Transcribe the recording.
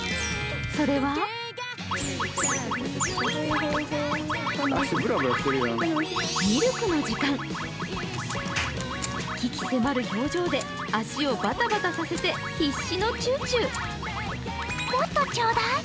それは鬼気迫る表情で足をバタバタさせて必死のちゅうちゅう。